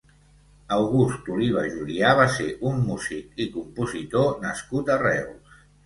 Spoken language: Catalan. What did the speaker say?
August Oliva Julià va ser un músic i compositor nascut a Reus.